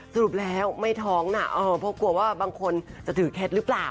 สรุปแล้วไม่ท้องน่ะเพราะกลัวว่าบางคนจะถือเคล็ดหรือเปล่า